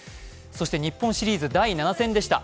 そして日本シリーズ第７戦でした。